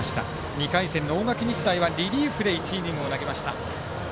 ２回戦の大垣日大はリリーフで１イニングを投げました。